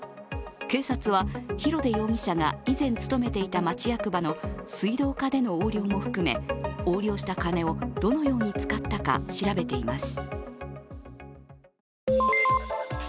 警察は、廣出容疑者が以前勤めていた町役場の水道課でも横領も含め、横領した金をどのように使ったか調べています。